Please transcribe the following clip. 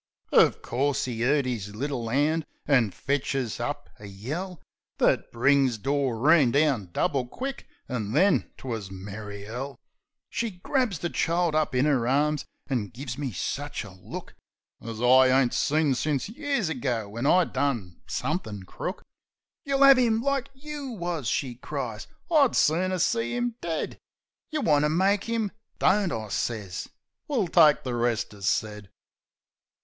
Uv course, 'e 'urt 'is little 'and, an' fetches out a yell That brings Doreen down double quick. An' then 'twus merry 'ell. She grabs the kid up in 'er arms, an' gives me sich a look As I ain't seen since years ago, when I done somethin' crook. "You'll 'ave 'im like you wus!" she cries. I'd sooner see 'im dead! You want to make 'im ..." "Don't," I sez. "We'll take the rest as said."